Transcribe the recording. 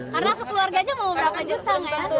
karena sekeluarga aja mau berapa juta